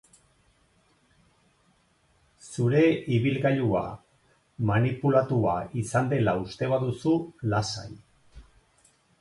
Zure ibilgailua manipulatua izan dela uste baduzu, lasai.